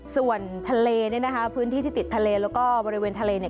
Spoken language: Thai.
ส่วนทะเลเนี่ยนะคะพื้นที่ที่ติดทะเลแล้วก็บริเวณทะเลเนี่ย